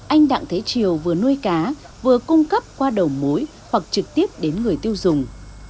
anh đặng thế triều vừa nuôi cá vừa cung cấp qua đầu mối hoặc trực tiếp đến người tiêu dùng